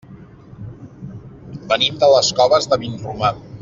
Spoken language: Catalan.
Venim de les Coves de Vinromà.